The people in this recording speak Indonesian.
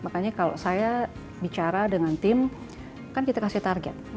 makanya kalau saya bicara dengan tim kan kita kasih target